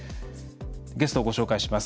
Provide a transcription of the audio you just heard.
ゲストをご紹介します。